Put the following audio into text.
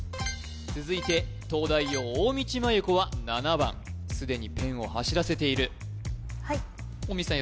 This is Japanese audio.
続いて東大王大道麻優子は７番すでにペンを走らせているはい大道さん